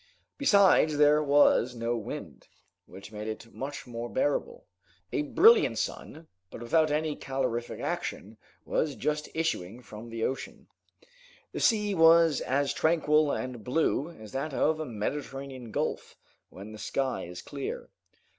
Besides there was no wind, which made it much more bearable. A brilliant sun, but without any calorific action, was just issuing from the ocean. The sea was as tranquil and blue as that of a Mediterranean gulf, when the sky is clear.